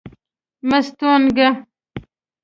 مستونگ